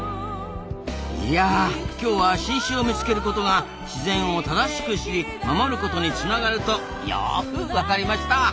いや今日は新種を見つけることが自然を正しく知り守ることにつながるとよく分かりました。